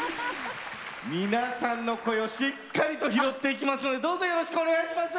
皆さんの声をしっかりと拾っていきますのでどうぞよろしくお願いします！